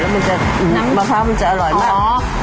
มะพร้าวมันจะอร่อยมาก